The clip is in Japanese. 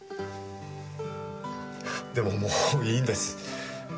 でももういいんです。